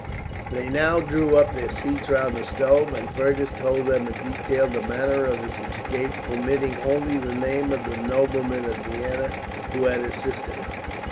They now drew up their seats round the stove, and Fergus told them in detail the manner of his escape, omitting only the name of the noblemen at Vienna who had assisted him.